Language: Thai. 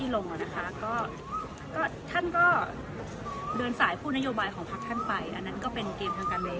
ลงค่ะอย่างก็ท่านก็เดินสายผู้นโยบายของแผ่นไปอันนั้นก็เป็นเกมทั้งกันเลย